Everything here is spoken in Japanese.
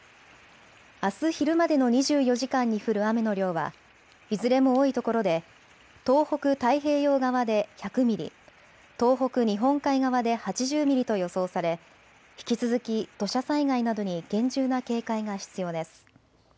あす昼までの２４時間に降る雨の量は、いずれも多いところで東北太平洋側で１００ミリ、東北日本海側で８０ミリと予想され引き続き土砂災害などに厳重な警戒が必要です。